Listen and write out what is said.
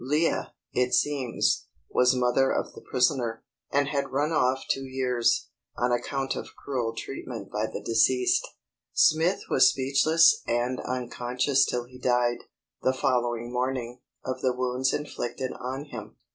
Leah, it seems, was mother of the prisoner, and had run off two years, on account of cruel treatment by the deceased. Smith was speechless and unconscious till he died, the following morning, of the wounds inflicted on him.